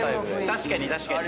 確かに確かに。